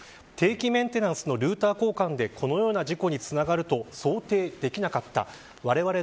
定期メンテナンスのルーター交換でこのような事故につながると想定できなかった。